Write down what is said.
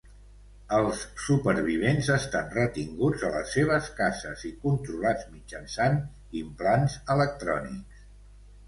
Els supervivents estan retinguts a les seves cases i controlats mitjançant implants electrònics.